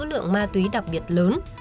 lượng ma túy đặc biệt lớn